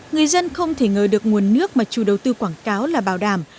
người dân không thể ngờ được nguồn nước mà chủ đầu tư quảng cáo là bảo đảm